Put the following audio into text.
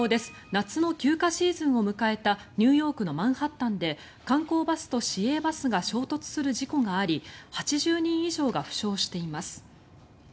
夏の休暇シーズンを迎えたニューヨークのマンハッタンで観光バスと市営バスが衝突する事故があり８０人以上が負傷しています。